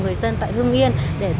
tại hương nghiên để thu hoạch